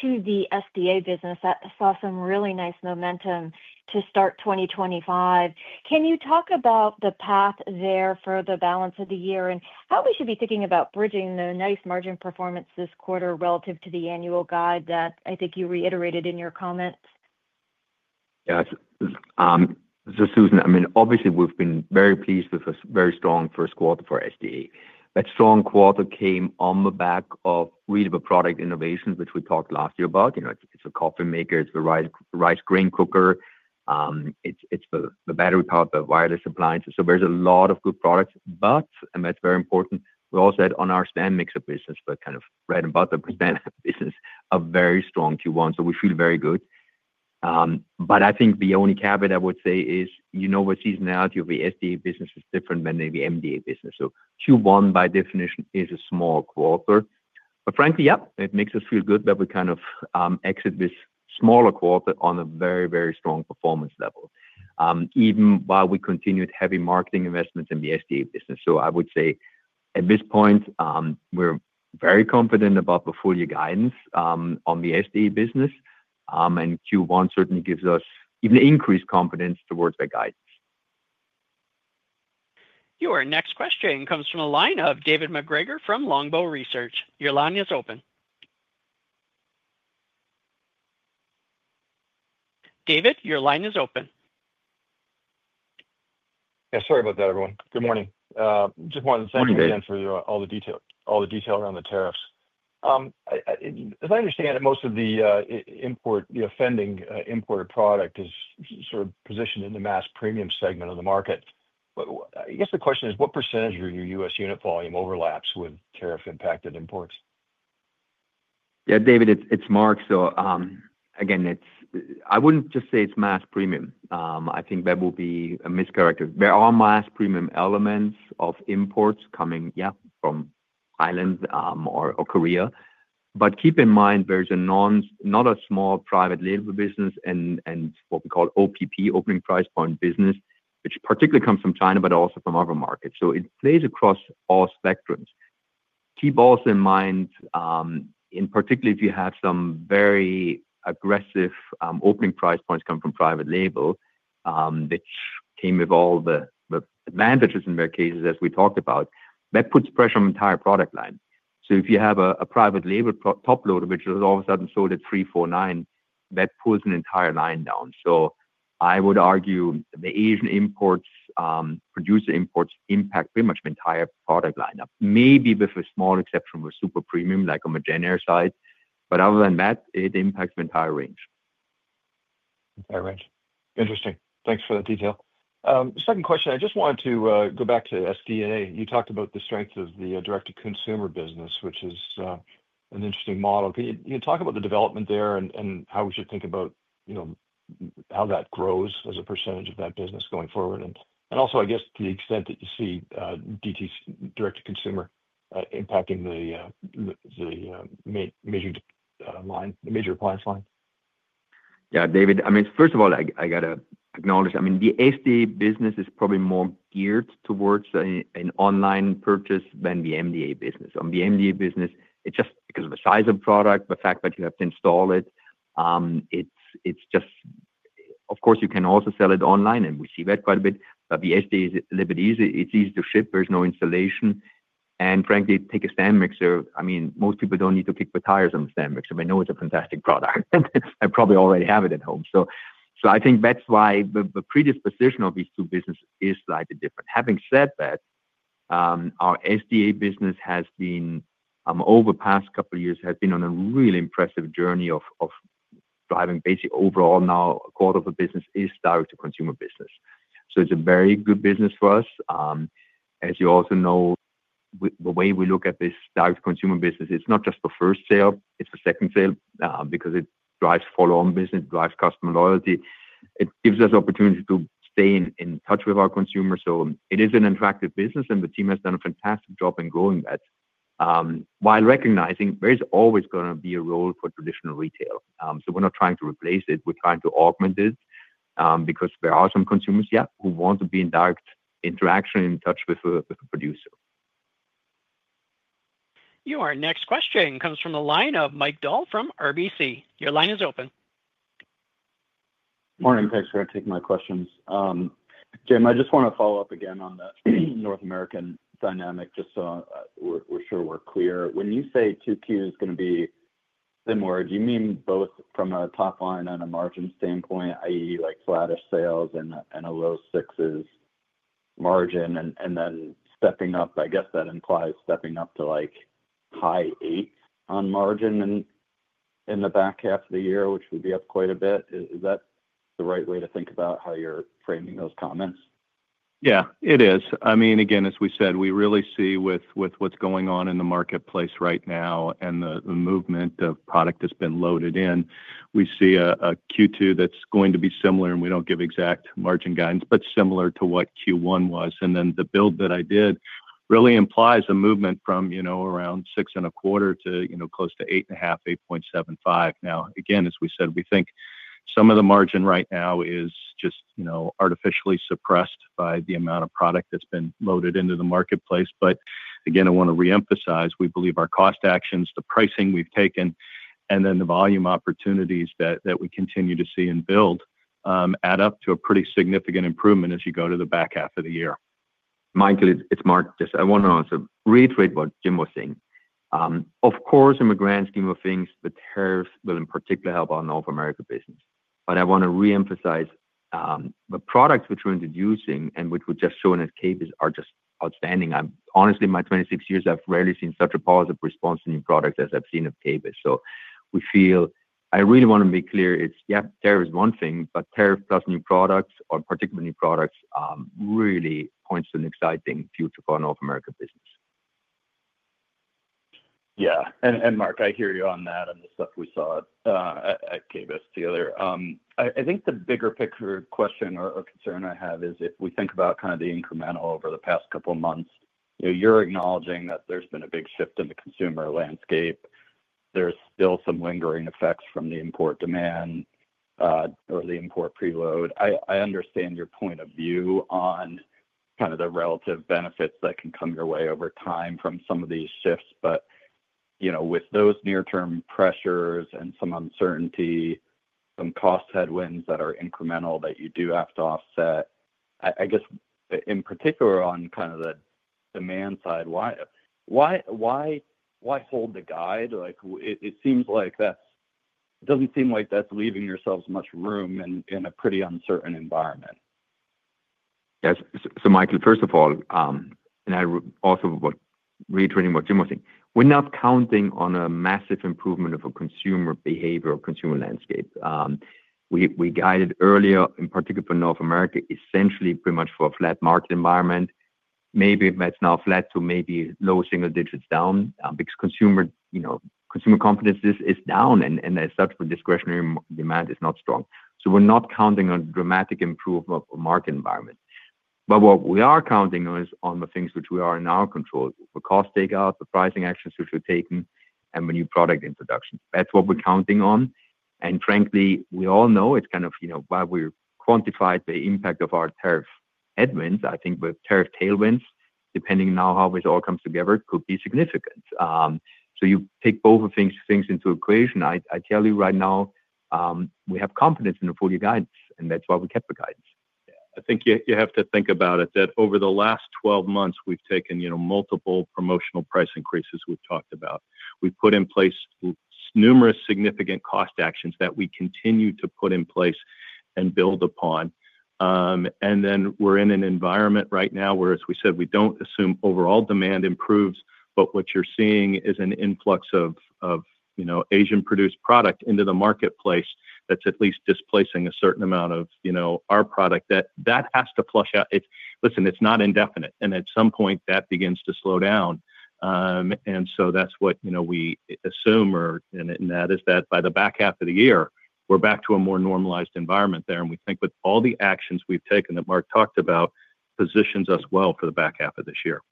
to the FDA business, that saw some really nice momentum to start 2025. Can you talk about the path there for the balance of the year and how we should be thinking about bridging the nice margin performance this quarter relative to the annual guide that I think you reiterated in your comments? Yeah. So, Susan, I mean, obviously, we've been very pleased with a very strong first quarter for SDA. That strong quarter came on the back of really the product innovations, which we talked last year about. It's a coffee maker. It's the rice grain cooker. It's the battery powered by wireless appliances. So, there's a lot of good products. But, and that's very important, we also had on our stand mixer business, but kind of right above the stand business, a very strong Q1. So, we feel very good. But I think the only caveat I would say is you know what seasonality of the SDA business is different than maybe MDA business. So, Q1 by definition is a small quarter. Frankly, yep, it makes us feel good that we kind of exit this smaller quarter on a very, very strong performance level, even while we continued heavy marketing investments in the SDA business. I would say at this point, we're very confident about the full year guidance on the SDA business. Q1 certainly gives us even increased confidence towards that guidance. Your next question comes from David MacGregor from Longbow Research. Your line is open. David, your line is open. Yeah. Sorry about that, everyone. Good morning. Just wanted to thank you again for all the detail around the tariffs. As I understand it, most of the offending imported product is sort of positioned in the mass premium segment of the market. I guess the question is, what percentage of your U.S. unit volume overlaps with tariff-impacted imports? Yeah. David, it's Marc. I would not just say it's mass premium. I think that would be a mischaracterization. There are mass premium elements of imports coming, yeah, from Thailand or Korea. Keep in mind, there's not a small private label business and what we call OPP, opening price point business, which particularly comes from China, but also from other markets. It plays across all spectrums. Keep also in mind, particularly if you have some very aggressive opening price points coming from private label, which came with all the advantages in their cases, as we talked about, that puts pressure on the entire product line. If you have a private label top loader, which is all of a sudden sold at $349, that pulls an entire line down. I would argue the Asian imports, producer imports impact pretty much the entire product lineup, maybe with a small exception with super premium like on the JennAir side. Other than that, it impacts the entire range. Entire range. Interesting. Thanks for that detail. Second question, I just wanted to go back to SDA. You talked about the strength of the direct-to-consumer business, which is an interesting model. Can you talk about the development there and how we should think about how that grows as a percentage of that business going forward? Also, I guess, to the extent that you see direct-to-consumer impacting the major appliance line? Yeah. David, I mean, first of all, I got to acknowledge, I mean, the SDA business is probably more geared towards an online purchase than the MDA business. On the MDA business, it's just because of the size of product, the fact that you have to install it. Of course, you can also sell it online, and we see that quite a bit. The SDA is a little bit easy. It's easy to ship. There's no installation. And frankly, take a stand mixer. I mean, most people don't need to kick the tires on the stand mixer. They know it's a fantastic product. They probably already have it at home. I think that's why the predisposition of these two businesses is slightly different. Having said that, our SDA business has been, over the past couple of years, on a really impressive journey of driving basically overall now a quarter of the business is direct-to-consumer business. It is a very good business for us. As you also know, the way we look at this direct-to-consumer business, it's not just the first sale. It's the second sale because it drives follow-on business, drives customer loyalty. It gives us opportunity to stay in touch with our consumers. It is an attractive business, and the team has done a fantastic job in growing that. While recognizing there is always going to be a role for traditional retail. We are not trying to replace it. We are trying to augment it because there are some consumers, yeah, who want to be in direct interaction and in touch with a producer. Your next question comes from the line of Mike Dahl from RBC. Your line is open. Morning, thanks for taking my questions. Jim, I just want to follow up again on the North American dynamic just so we're sure we're clear. When you say 2Q is going to be similar, do you mean both from a top line and a margin standpoint, i.e., like slattish sales and a low sixes margin, and then stepping up, I guess that implies stepping up to like high eights on margin in the back half of the year, which would be up quite a bit? Is that the right way to think about how you're framing those comments? Yeah, it is. I mean, again, as we said, we really see with what's going on in the marketplace right now and the movement of product that's been loaded in, we see a Q2 that's going to be similar, and we don't give exact margin guidance, but similar to what Q1 was. The build that I did really implies a movement from around 6.25 to close to 8.5-8.75. Now, again, as we said, we think some of the margin right now is just artificially suppressed by the amount of product that's been loaded into the marketplace. Again, I want to reemphasize, we believe our cost actions, the pricing we've taken, and then the volume opportunities that we continue to see and build add up to a pretty significant improvement as you go to the back half of the year. Michael, it's Marc. I want to reiterate what Jim was saying. Of course, in the grand scheme of things, the tariffs will in particular help our North America business. I want to reemphasize the products which we're introducing and which we're just showing as KBIS are just outstanding. Honestly, in my 26 years, I've rarely seen such a positive response to new products as I've seen at KBIS. We feel I really want to make clear it's, yeah, tariff is one thing, but tariff plus new products, or particularly new products, really points to an exciting future for our North America business. Yeah. Marc, I hear you on that and the stuff we saw at KBIS together. I think the bigger picture question or concern I have is if we think about kind of the incremental over the past couple of months, you're acknowledging that there's been a big shift in the consumer landscape. There's still some lingering effects from the import demand or the import preload. I understand your point of view on kind of the relative benefits that can come your way over time from some of these shifts. With those near-term pressures and some uncertainty, some cost headwinds that are incremental that you do have to offset, I guess in particular on kind of the demand side, why hold the guide? It seems like that doesn't seem like that's leaving yourselves much room in a pretty uncertain environment. Michael, first of all, and I also reiterating what Jim was saying, we're not counting on a massive improvement of a consumer behavior or consumer landscape. We guided earlier, in particular for North America, essentially pretty much for a flat market environment, maybe that's now flat to maybe low single digits down because consumer confidence is down, and as such, discretionary demand is not strong. We're not counting on a dramatic improvement of the market environment. What we are counting on is on the things which we are in our control, the cost takeout, the pricing actions which we've taken, and the new product introduction. That's what we're counting on. Frankly, we all know it's kind of while we're quantified the impact of our tariff headwinds, I think with tariff tailwinds, depending on how this all comes together, could be significant. You pick both of things into equation. I tell you right now, we have confidence in the full year guidance, and that's why we kept the guidance. I think you have to think about it that over the last 12 months, we've taken multiple promotional price increases we've talked about. We've put in place numerous significant cost actions that we continue to put in place and build upon. We are in an environment right now where, as we said, we do not assume overall demand improves, but what you're seeing is an influx of Asian-produced product into the marketplace that's at least displacing a certain amount of our product that has to flush out. Listen, it's not indefinite. At some point, that begins to slow down. That is what we assume, and that is that by the back half of the year, we're back to a more normalized environment there. We think with all the actions we've taken that Marc talked about, positions us well for the back half of this year.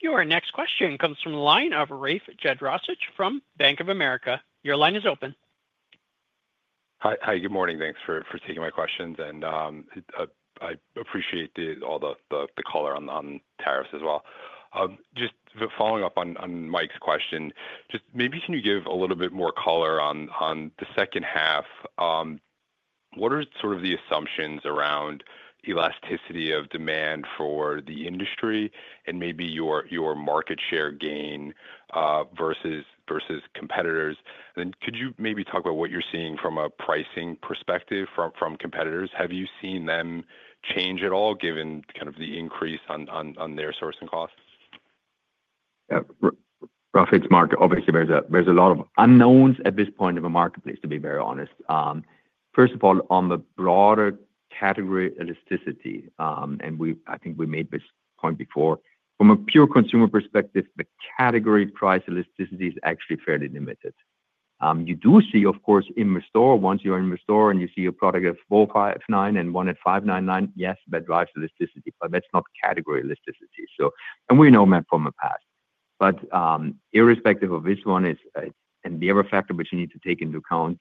Your next question comes from the line of Rafe Jadrosich from Bank of America. Your line is open. Hi. Good morning. Thanks for taking my questions. I appreciate all the color on tariffs as well. Just following up on Mike's question, can you give a little bit more color on the second half? What are the assumptions around elasticity of demand for the industry and maybe your market share gain versus competitors? Could you talk about what you're seeing from a pricing perspective from competitors? Have you seen them change at all given the increase on their sourcing costs? Yeah. Thanks, Marc. Obviously, there's a lot of unknowns at this point in the marketplace, to be very honest. First of all, on the broader category elasticity, and I think we made this point before, from a pure consumer perspective, the category price elasticity is actually fairly limited. You do see, of course, in the store, once you're in the store and you see a product at $459 and one at $599, yes, that drives elasticity. That is not category elasticity. We know that from the past. Irrespective of this one and the other factor which you need to take into account,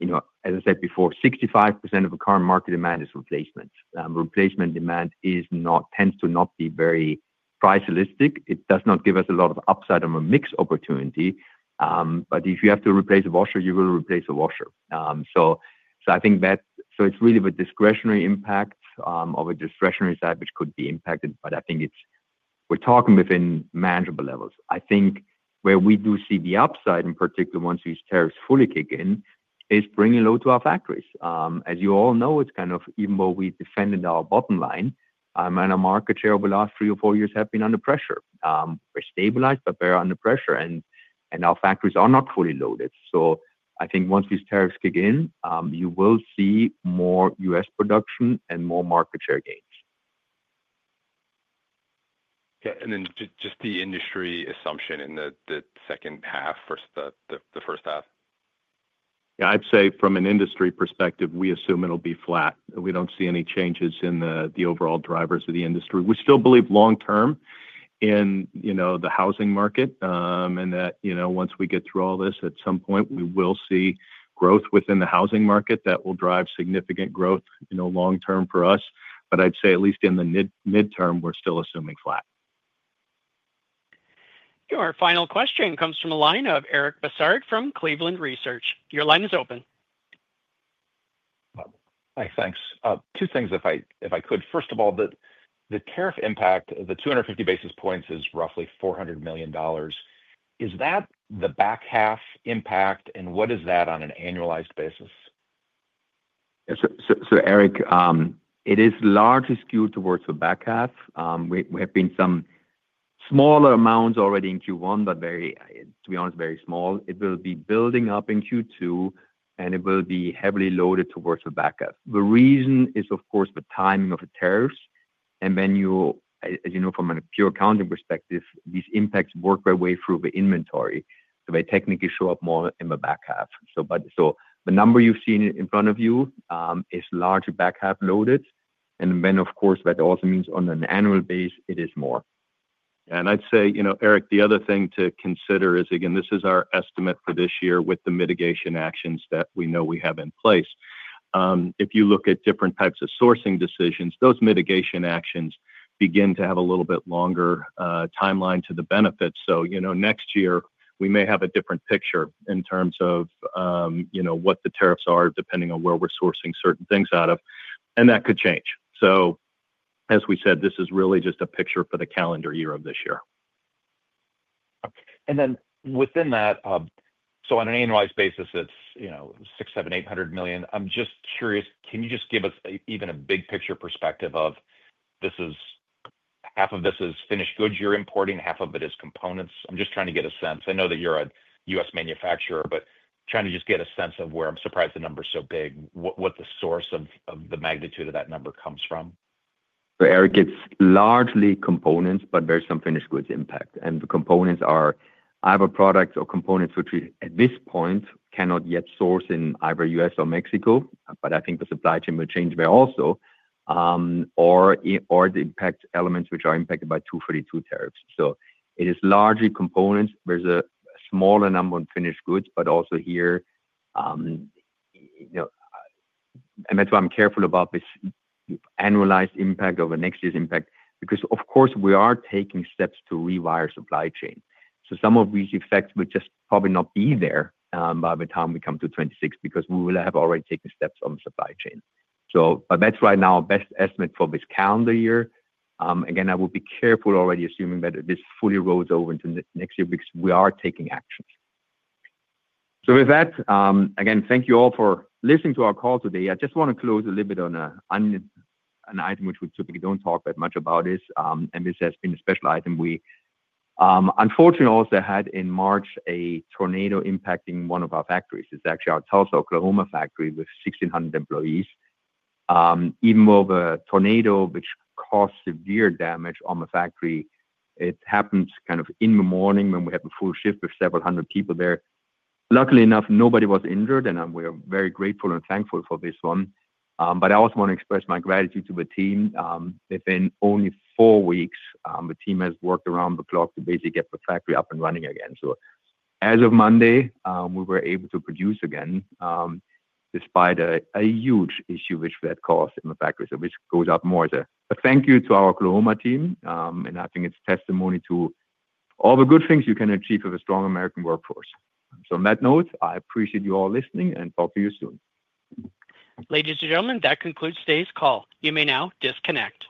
as I said before, 65% of the current market demand is replacement. Replacement demand tends to not be very price elastic. It does not give us a lot of upside on a mixed opportunity. If you have to replace a washer, you will replace a washer. I think that it is really the discretionary impact of a discretionary side which could be impacted. I think we are talking within manageable levels. I think where we do see the upside, in particular, once these tariffs fully kick in, is bringing load to our factories. As you all know, even though we defended our bottom line and our market share over the last three or four years, we have been under pressure. We are stabilized, but we are under pressure, and our factories are not fully loaded. I think once these tariffs kick in, you will see more U.S. production and more market share gains. Okay. And then just the industry assumption in the second half versus the first half? Yeah. I'd say from an industry perspective, we assume it'll be flat. We don't see any changes in the overall drivers of the industry. We still believe long-term in the housing market and that once we get through all this, at some point, we will see growth within the housing market that will drive significant growth long-term for us. I'd say at least in the midterm, we're still assuming flat. Your final question comes from the line of Eric Bosshard from Cleveland Research. Your line is open. Hi. Thanks. Two things, if I could. First of all, the tariff impact, the 250 basis points is roughly $400 million. Is that the back half impact, and what is that on an annualized basis? Yes. Eric, it is largely skewed towards the back half. There have been some smaller amounts already in Q1, but to be honest, very small. It will be building up in Q2, and it will be heavily loaded towards the back half. The reason is, of course, the timing of the tariffs. As you know, from a pure accounting perspective, these impacts work their way through the inventory so they technically show up more in the back half. The number you have seen in front of you is largely back half loaded. Of course, that also means on an annual base, it is more. Yeah. I’d say, Eric, the other thing to consider is, again, this is our estimate for this year with the mitigation actions that we know we have in place. If you look at different types of sourcing decisions, those mitigation actions begin to have a little bit longer timeline to the benefits. Next year, we may have a different picture in terms of what the tariffs are depending on where we’re sourcing certain things out of. That could change. As we said, this is really just a picture for the calendar year of this year. Within that, on an annualized basis, it's $600 million, $800 million. I'm just curious, can you just give us even a big picture perspective of half of this is finished goods you're importing, half of it is components? I'm just trying to get a sense. I know that you're a U.S. manufacturer, but trying to just get a sense of where—I'm surprised the number is so big—what the source of the magnitude of that number comes from. Eric, it's largely components, but there's some finished goods impact. The components are either products or components which at this point cannot yet source in either the U.S. or Mexico, but I think the supply chain will change there also, or the impact elements which are impacted by 242 tariffs. It is largely components. There's a smaller number on finished goods, but also here, and that's why I'm careful about this annualized impact of the next year's impact because, of course, we are taking steps to rewire supply chain. Some of these effects will just probably not be there by the time we come to 2026 because we will have already taken steps on the supply chain. That's right now our best estimate for this calendar year. Again, I will be careful already assuming that this fully rolls over into next year because we are taking actions. With that, again, thank you all for listening to our call today. I just want to close a little bit on an item which we typically do not talk that much about, and this has been a special item. Unfortunately, I also had in March a tornado impacting one of our factories. It is actually our Tulsa, Oklahoma factory with 1,600 employees. Even though the tornado, which caused severe damage on the factory, it happened kind of in the morning when we had the full shift with several hundred people there. Luckily enough, nobody was injured, and we are very grateful and thankful for this one. I also want to express my gratitude to the team. Within only four weeks, the team has worked around the clock to basically get the factory up and running again. As of Monday, we were able to produce again despite a huge issue which we had caused in the factory. This goes out more as a thank you to our Oklahoma team, and I think it's testimony to all the good things you can achieve with a strong American workforce. On that note, I appreciate you all listening, and talk to you soon. Ladies and gentlemen, that concludes today's call. You may now disconnect.